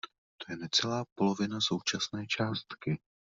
To je necelá polovina současné částky.